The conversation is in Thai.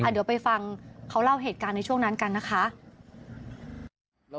เดี๋ยวไปฟังเขาเล่าเหตุการณ์ในช่วงนั้นกันนะคะ